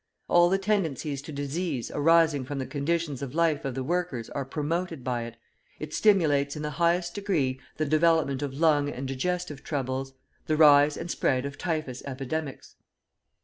All the tendencies to disease arising from the conditions of life of the workers are promoted by it, it stimulates in the highest degree the development of lung and digestive troubles, the rise and spread of typhus epidemics.